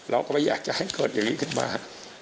เราก็ไม่อยากจะให้เกิดอย่างนี้ขึ้นมา